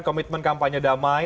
komitmen kampanye damai